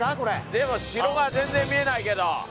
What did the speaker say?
でも城が全然見えないけど。